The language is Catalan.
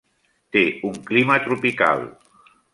Té un clima tropical.